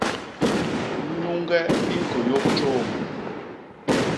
Nyuñge i ñkôyôp tjôôm.